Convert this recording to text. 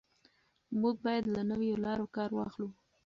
موږ باید له نویو لارو کار واخلو.